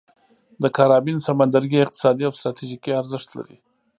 د کارابین سمندرګي اقتصادي او ستراتیژیکي ارزښت لري.